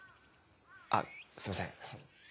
あっすいません。